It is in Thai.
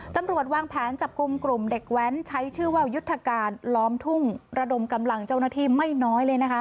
ตำรวจวางแผนจับกลุ่มกลุ่มเด็กแว้นใช้ชื่อว่ายุทธการล้อมทุ่งระดมกำลังเจ้าหน้าที่ไม่น้อยเลยนะคะ